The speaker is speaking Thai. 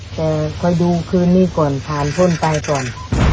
แต่คอยดูคืนนี้ก่อนผ่านพ้นไปก่อน